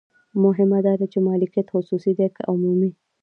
مهمه دا ده چې مالکیت خصوصي دی که عمومي.